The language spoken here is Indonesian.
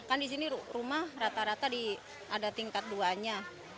kan di sini rumah rata rata ada tingkat dua nya